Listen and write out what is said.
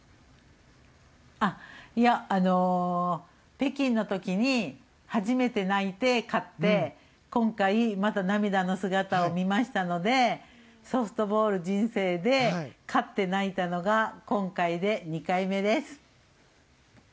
北京の時に初めて泣いて、勝って今回、また涙の姿を見ましたのでソフトボール人生で勝って泣いたのが今回で２回目です。